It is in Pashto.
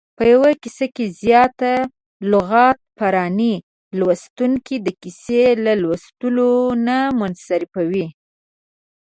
په یوه کیسه کې زیاته لغت پراني لوستونکی د کیسې له لوستلو نه منصرفوي.